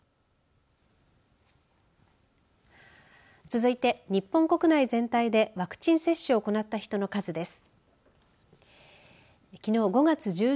続いて、日本国内全体でワクチン接種を行った人の数です。